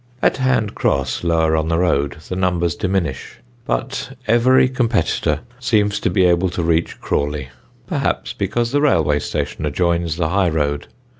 At Hand Cross, lower on the road, the numbers diminish; but every competitor seems to be able to reach Crawley, perhaps because the railway station adjoins the high road.